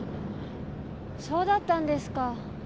そうだったんですか。